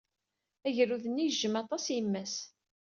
Agrud-nni yejjem aṭas yemma-s.